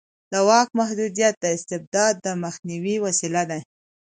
د واک محدودیت د استبداد د مخنیوي وسیله ده